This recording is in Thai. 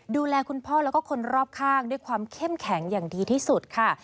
ดูแลคุณพ่อแล้วก็คนรอบข้างด้วยความเข้มแข็งอย่างดีที่สุดค่ะ